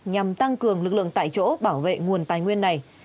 nhằm tăng cường lực lượng tại chỗ bảo vệ nguồn tài nguyên này